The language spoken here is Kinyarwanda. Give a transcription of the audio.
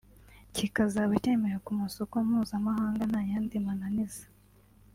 kikazaba cyemewe ku masoko mpuzamahanga nta yandi mananiza